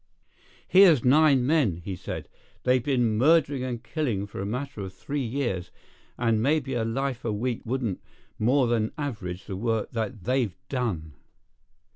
"Here's nine men," he said; "they've been murdering and killing for a matter of three years, and maybe a life a week wouldn't more than average the work that they've done.